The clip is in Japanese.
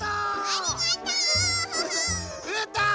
ありがとう！うーたん